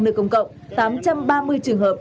nơi công cộng tám trăm ba mươi trường hợp